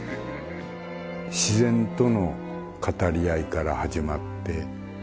自然との語り合いから始まって。